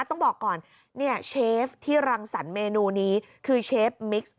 ต้องบอกก่อนเนี่ยเชฟที่รังสรรคเมนูนี้คือเชฟมิกซ์